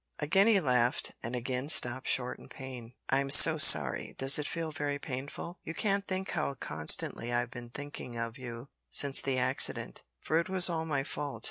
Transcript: Again he laughed, and again stopped short in pain. "I'm so sorry! Does it feel very painful? You can't think how constantly I've been thinking of you since the accident; for it was all my fault.